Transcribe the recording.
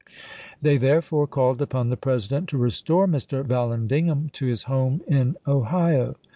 They therefore called upon the President to restore Mr. Vallandigham to his home in Ohio.